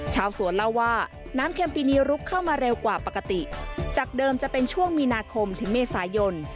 ชาวสวนเล่าว่าน้ำเข็มปีนี้ลุกเข้ามาเร็วกว่าปกติจากเดิมจะเป็นช่วงมีนาคมถึงเมษายน